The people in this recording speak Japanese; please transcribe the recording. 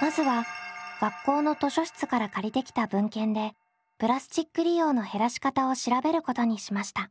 まずは学校の図書室から借りてきた文献でプラスチック利用の減らし方を調べることにしました。